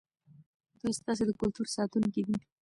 دوی ستاسې د کلتور ساتونکي دي.